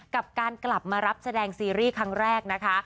กับการกลับมารับแสดงซีรีส์ครั้งแรกนะคะ